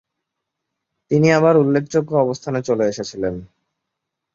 তিনি আবার উল্লেখযোগ্য অবস্থানে চলে এসেছিলেন।